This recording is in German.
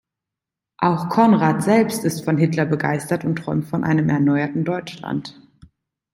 Auch Konrad selbst ist von Hitler begeistert und träumt von einem erneuerten Deutschland.